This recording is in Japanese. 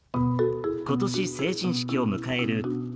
今年成人式を迎えるＡ